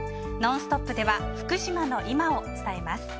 「ノンストップ！」では福島の今を伝えます。